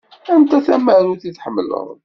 Anta tamarut i tḥemmleḍ?